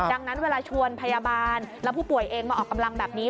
ดังนั้นเวลาชวนพยาบาลแล้วผู้ป่วยเองมาออกกำลังแบบนี้